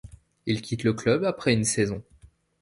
Il quitte le club après une saison.